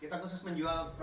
kita khusus menjual